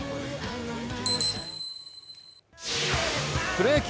プロ野球